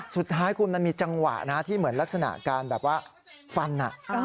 สุดท้ายคุณมันมีจังหวะนะที่เหมือนลักษณะการแบบว่าฟัน